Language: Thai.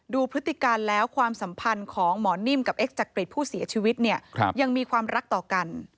พฤติการแล้วความสัมพันธ์ของหมอนิ่มกับเอ็กจักริตผู้เสียชีวิตเนี่ยยังมีความรักต่อกัน